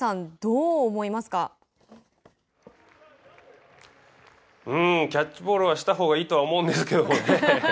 うん、キャッチボールはしたほうがいいとは思うんですけどね。